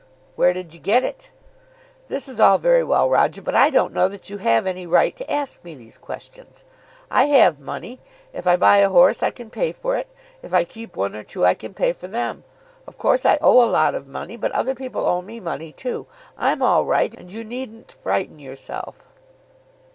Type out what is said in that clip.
"Where did you get it?" "This is all very well, Roger; but I don't know that you have any right to ask me these questions. I have money. If I buy a horse I can pay for it. If I keep one or two I can pay for them. Of course I owe a lot of money, but other people owe me money too. I'm all right, and you needn't frighten yourself."